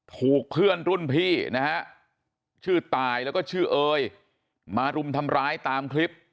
ถูกเพื่อนรุ่นพี่นะฮะชื่อตายแล้วก็ชื่อเอยมารุมทำร้ายตามคลิป